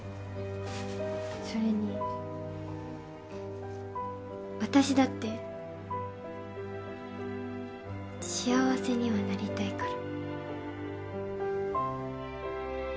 それに私だって幸せにはなりたいから。